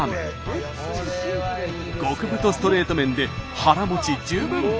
極太ストレート麺で腹もち十分！